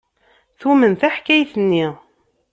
Tumen taḥkayt-nni.